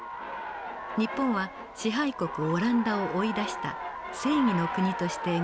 日本は支配国オランダを追い出した正義の国として描かれています。